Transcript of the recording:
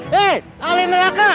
hei alih neraka